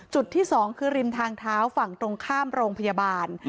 จุดที่๒คือริมทางเท้าฝั่งตรงข้ามโรงพยาบาล